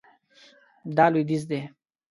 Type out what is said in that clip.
دا لویدیځ دی